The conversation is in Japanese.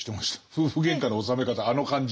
夫婦げんかの収め方あの感じ。